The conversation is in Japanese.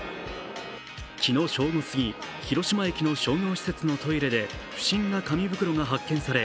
昨日正午過ぎ、広島駅の商業施設のトイレで不審な紙袋が発見され